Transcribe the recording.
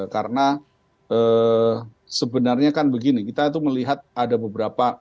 karena sebenarnya kan begini kita itu melihat ada beberapa